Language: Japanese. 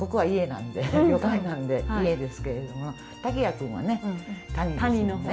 なんで旅館なんで「家」ですけれども竹谷君はね「谷」ですよね。